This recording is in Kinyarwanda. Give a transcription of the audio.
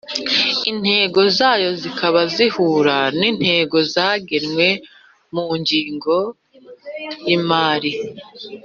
intego zayo zikaba zihura n'intego zagenwe mu ngengo y'imari.